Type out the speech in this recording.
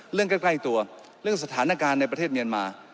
ใกล้ตัวเรื่องสถานการณ์ในประเทศเมียนมา